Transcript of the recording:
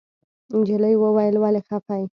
نجلۍ وويل ولې خپه يې.